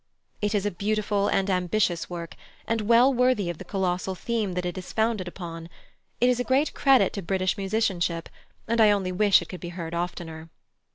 It is a beautiful and ambitious work, and well worthy of the colossal theme that it is founded upon. It is a great credit to British musicianship, and I only wish it could be heard oftener.